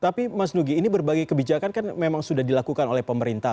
tapi mas nugi ini berbagai kebijakan kan memang sudah dilakukan oleh pemerintah